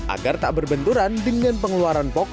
agar tak berbenturan dengan pengeluaran pokok